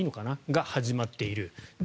それが始まっている。